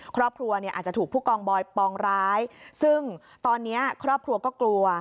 ครอบครัวเนี่ยอาจจะถูกผู้กองบอยปองร้ายซึ่งตอนนี้ครอบครัวก็กลัว